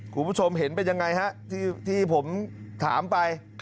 คุณผู้ชมเห็นเป็นยังไงฮะที่ผมถามไป